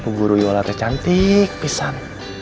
bu guru yolatnya cantik pisan